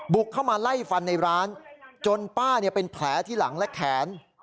เข้ามาไล่ฟันในร้านจนป้าเป็นแผลที่หลังและแขน